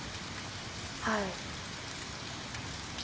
はい。